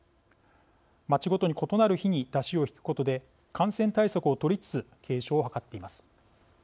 町ごとに異なる日に山車をひくことで感染対策を取りつつ継承を図っています。